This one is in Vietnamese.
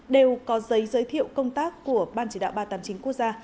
đều có giấy giới thiệu công tác của ban chỉ đạo ba trăm tám mươi chín quốc gia